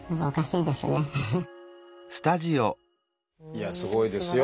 いやすごいですよ。